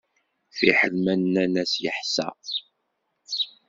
Fiḥel ma nnan-as, yeḥṣa.